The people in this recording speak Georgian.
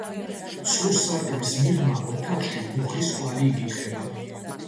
ცრუ სარკმლის მიღმა, ოთახში, ბუხრის კვალი იკითხება.